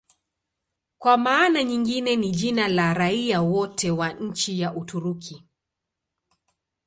Kwa maana nyingine ni jina la raia wote wa nchi ya Uturuki.